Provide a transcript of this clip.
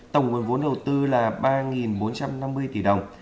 tổng nguồn vốn đầu tư là ba bốn trăm năm mươi tỷ đồng